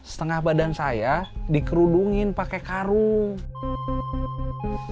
setengah badan saya dikerudungin pakai karung